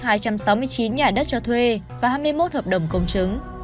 danh sách hai trăm sáu mươi chín nhà đất cho thuê và hai mươi một hợp đồng công chứng